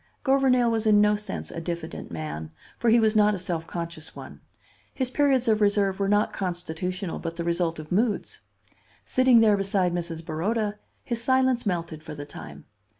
Gouvernail was in no sense a diffident man, for he was not a self conscious one. His periods of reserve were not constitutional, but the result of moods. Sitting there beside Mrs. Baroda, his silence melted for the time.